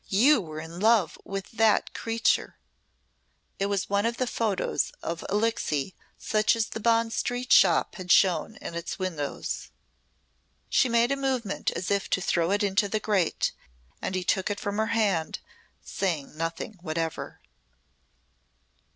"You were in love with that creature." It was one of the photographs of Alixe such as the Bond Street shop had shown in its windows. She made a movement as if to throw it into the grate and he took it from her hand, saying nothing whatever.